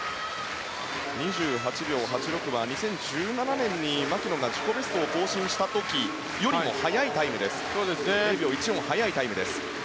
２８秒８６は２０１７年に牧野が自己ベストを更新した時よりも０秒１４速いタイムです。